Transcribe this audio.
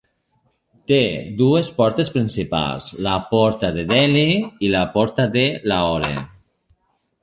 Té dues portes principals: la porta de Delhi i la de Lahore.